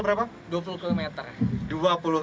berapa dua puluh km